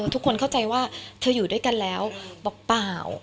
เข้าใจว่าเธออยู่ด้วยกันแล้วบอกเปล่า